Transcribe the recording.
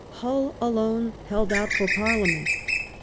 Hull alone held out for Parliament.